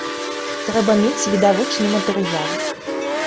Трэба мець відавочны матэрыял.